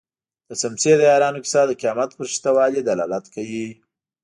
د څمڅې د یارانو کيسه د قيامت پر شته والي دلالت کوي.